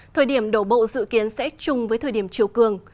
thời điểm đổ bộ dự kiến sẽ chung với thời điểm chiều cường